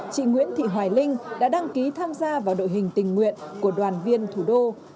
chị nguyễn thị hoài linh đã đăng ký tham gia vào đội hình tình nguyện của đoàn viên thủ đô